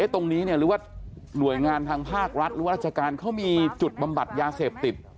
ตรงนี้รวยงานทางภาครัฐและราชการเขามีจุดบำบัดยาเสพติด